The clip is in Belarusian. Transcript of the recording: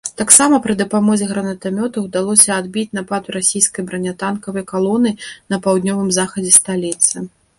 Таксама пры дапамозе гранатамётаў удалося адбіць напад расійскай бранятанкавай калоны на паўднёвым захадзе сталіцы.